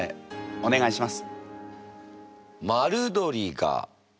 お願いします。